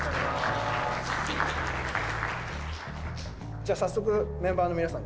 じゃあ早速メンバーの皆さん